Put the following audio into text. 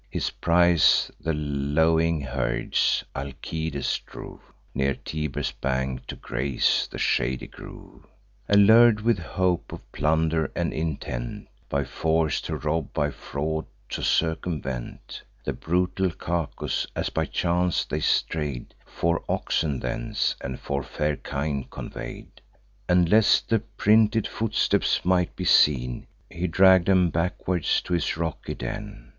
His prize, the lowing herds, Alcides drove Near Tiber's bank, to graze the shady grove. Allur'd with hope of plunder, and intent By force to rob, by fraud to circumvent, The brutal Cacus, as by chance they stray'd, Four oxen thence, and four fair kine convey'd; And, lest the printed footsteps might be seen, He dragg'd 'em backwards to his rocky den.